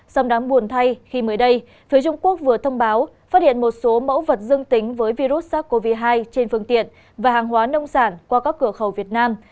sông đáng buồn thay khi mới đây phía trung quốc vừa thông báo phát hiện một số mẫu vật dương tính với virus sars cov hai trên phương tiện và hàng hóa nông sản qua các cửa khẩu việt nam